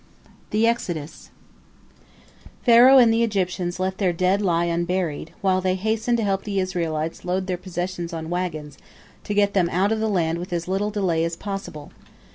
" THE EXODUS Pharaoh and the Egyptians let their dead lie unburied, while they hastened to help the Israelites load their possessions on wagons, to get them out of the land with as little delay as possible.